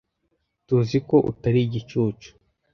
Tuziko utari igicucu.